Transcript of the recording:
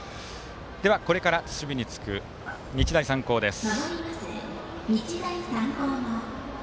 では、これから守備につく日大三高です。